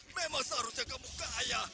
memang seharusnya kamu kaya